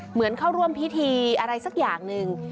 เหมือนเข้าร่วมพิธีอะไรสักอย่างหนึ่ง